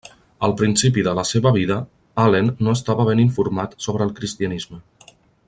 Al principi de la seva vida, Allen no estava ben informat sobre el cristianisme.